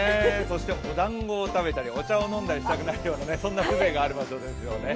おだんごを食べたり、お茶を飲んだりしたくなるようなそんな風情がある場所ですよね。